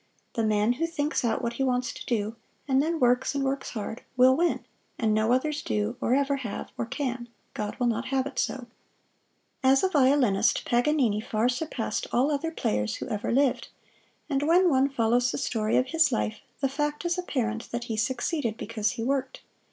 The man who thinks out what he wants to do, and then works and works hard, will win, and no others do, or ever have, or can God will not have it so. As a violinist Paganini far surpassed all other players who ever lived; and when one follows the story of his life, the fact is apparent that he succeeded because he worked.